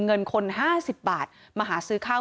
เงินคน๕๐บาทมาหาซื้อข้าว